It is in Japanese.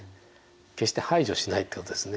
決して排除しないということですね。